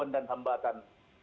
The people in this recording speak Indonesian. gangguan dan hambatan